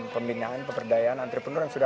pembinaan pemberdayaan entrepreneur yang sudah